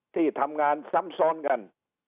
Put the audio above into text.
ที่ทำงานซ้ำซ้อนกัน